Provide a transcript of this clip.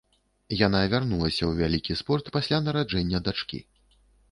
Яна вярнулася ў вялікі спорт пасля нараджэння дачкі.